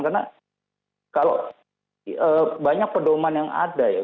karena kalau banyak pedoman yang ada ya